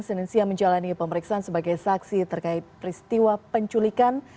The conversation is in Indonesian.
selinsian menjalani pemeriksaan sebagai saksi terkait peristiwa penculikan